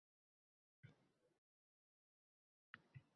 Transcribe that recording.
Toshkentda kino haftaligi o‘tadi